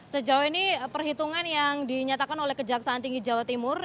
sejauh ini perhitungan yang dinyatakan oleh kejaksaan tinggi jawa timur